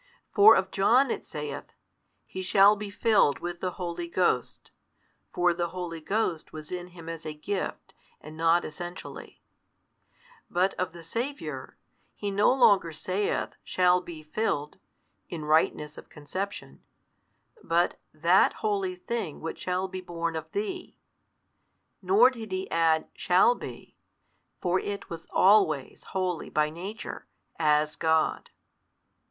For of John, it saith, he shall be filled with the Holy Ghost (for the Holy Ghost was in him as a gift, and not essentially), but of the Saviour, he no longer saith shall be filled, (in rightness of conception,) but that holy Thing which shall be born of thee. Nor did he add shall be, for It was always Holy by Nature, as God.